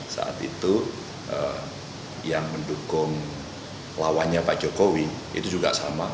saat itu yang mendukung lawannya pak jokowi itu juga sama